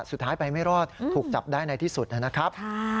สุดท้ายไปไม่รอดถูกจับได้ในที่สุดนะครับ